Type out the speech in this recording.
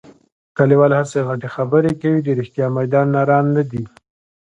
کلیوال هسې غټې خبرې کوي. د رښتیا میدان نران نه دي.